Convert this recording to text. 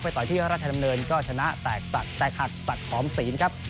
ไปต่อที่รัฐธรรมเนินก็ชนะแตกสัตว์แตกหักสัตว์ขอมศีลครับ